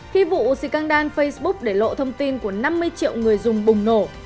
khi vụ xì căng đan facebook để lộ thông tin của năm mươi triệu người dùng bùng nổ